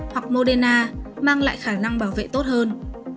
hoặc moderna mang lại khả năng bảo vệ tốt hơn